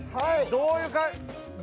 どういう感。